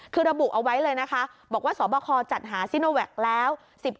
คือระบุเอาไว้เลยนะคะบอกว่าสบคจัดหาซิโนแวคแล้ว